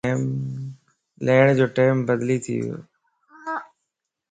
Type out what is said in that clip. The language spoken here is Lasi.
ليڻ جو ٽيم بدلي ٿي ويووَ